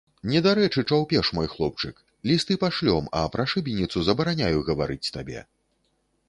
Недарэчы чаўпеш, мой хлопчык, лісты пашлём, а пра шыбеніцу забараняю гаварыць табе.